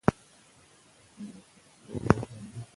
که کالي وي نو کرکټر نه ګډوډیږي.